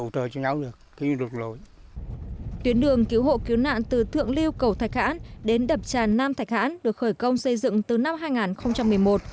tuyến đường cứu hộ cứu nạn từ thượng lưu cầu thạch hãn đến đập tràn nam thạch hãn được khởi công xây dựng từ năm hai nghìn một mươi một